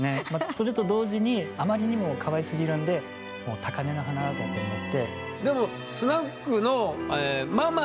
それと同時にあまりにもかわいすぎるんでもう高根の花だと思って。